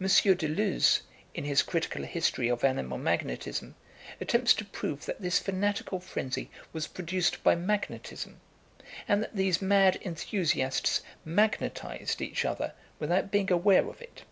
M. Deleuze, in his critical history of Animal Magnetism, attempts to prove that this fanatical frenzy was produced by magnetism, and that these mad enthusiasts magnetised each other without being aware of it.